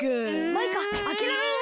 マイカあきらめるな！